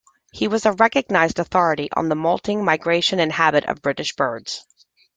He was a recognised authority on the moulting, migration, and habit of British birds.